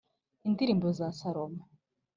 indirimbo za salomo